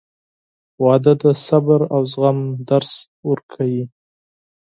• واده د صبر او زغم درس ورکوي.